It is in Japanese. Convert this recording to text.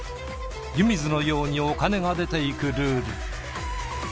湯水のようにお金が出ていくルール。